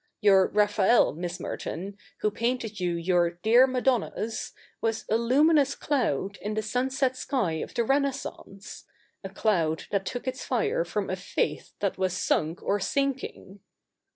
Your Raphael, Miss Merton, who painted you your " dear Madonnas," was a luminous cloud in the sunset sky of the Renaissance, — a cloud that took its fire from a faith that was sunk or sinking.'